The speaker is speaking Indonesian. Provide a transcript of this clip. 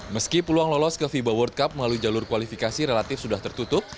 meski peluang lolos ke fiba world cup melalui jalur kualifikasi relatif sudah tertutup